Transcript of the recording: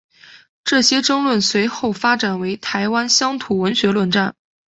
这些争论随后发展为台湾乡土文学论战。